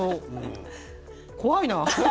怖いな。